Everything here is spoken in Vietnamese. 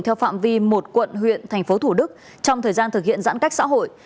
theo phạm vi một quận huyện tp thủ đức trong thời gian thực hiện giãn cách xã hội